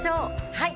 はい！